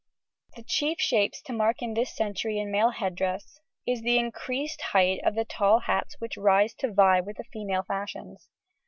] The chief shapes to mark in this century in male head dress is the increased height of the tall hats which rise to vie with the female fashions.